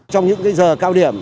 trong những giờ cao điểm